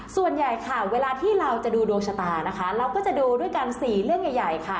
ส่วนใหญ่ค่ะเวลาที่เราจะดูดวงชะตานะคะเราก็จะดูด้วยกัน๔เรื่องใหญ่ค่ะ